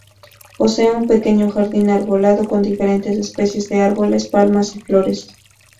Posee un pequeño jardín arbolado con diferentes especies de árboles, palmas y flores.